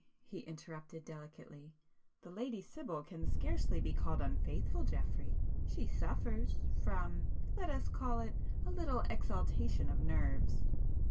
he interrupted delicately—"The Lady Sibyl can scarcely be called unfaithful, Geoffrey. She suffers,——from——let us call it, a little exaltation of nerves!